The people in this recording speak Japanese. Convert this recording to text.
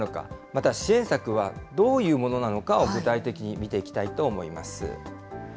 また、支援策はどういうものなのかを具体的に見ていきたいと思います。